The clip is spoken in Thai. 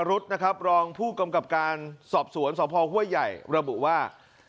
รองผู้กรรมกรรมการสอบสวนสอบพลห้วยใหญ่ระบุว่า